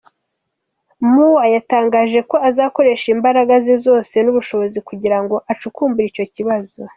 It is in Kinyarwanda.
Mueller yatangaje ko azakoresha imbaraga ze zose n’ubushobozi kugira ngo acukumbure icyo kibazo.